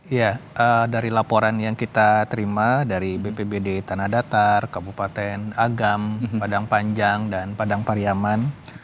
iya dari laporan yang kita terima dari bpbd tanah datar kabupaten agam padang panjang dan padang pariaman